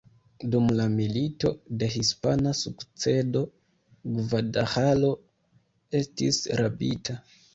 Dum la Milito de hispana sukcedo Gvadalaĥaro estis rabita.